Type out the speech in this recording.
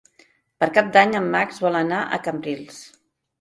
Per Cap d'Any en Max vol anar a Cambrils.